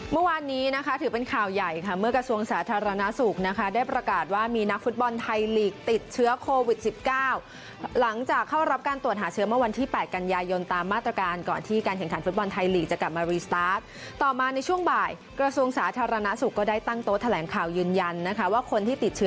เมื่อวานนี้นะคะถือเป็นข่าวใหญ่ค่ะเมื่อกระทรวงสาธารณสุขนะคะได้ประกาศว่ามีนักฟุตบอลไทยลีกติดเชื้อโควิดสิบเก้าหลังจากเข้ารับการตรวจหาเชื้อเมื่อวันที่๘กันยายนตามมาตรการก่อนที่การแข่งขันฟุตบอลไทยลีกจะกลับมารีสตาร์ทต่อมาในช่วงบ่ายกระทรวงสาธารณสุขก็ได้ตั้งโต๊ะแถลงข่าวยืนยันนะคะว่าคนที่ติดเชื้อ